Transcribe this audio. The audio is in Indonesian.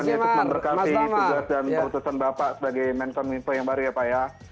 kami ikut memberkati tugas dan keputusan bapak sebagai menkom info yang baru ya pak ya